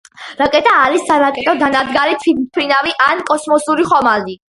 რაკეტა არის სარაკეტო დანადგარი, თვითმფრინავი ან კოსმოსური ხომალდი.